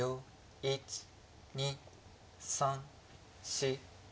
１２３４５。